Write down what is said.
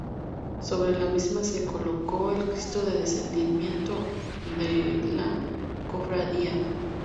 Sobre la misma se colocó el Cristo del Descendimiento de la Cofradía.